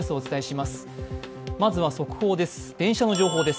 まずは速報です。